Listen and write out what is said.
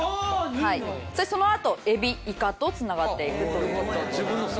そのあとエビイカと繋がっていくという事ですね。